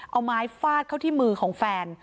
เอาไม้ฟาดเข้าที่มือของแฟน